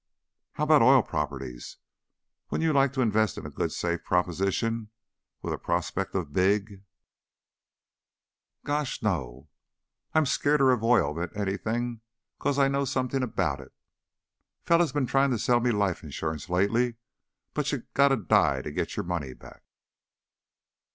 "How about oil properties? Wouldn't you like to invest in a good, safe proposition, with the prospect of big " "Gosh, no! I'm skeerder of oil than anything, 'cause I know somethin' about it. Feller been tryin' to sell me life insurance, lately, but you gotta die to get your money back.